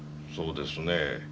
そうですね。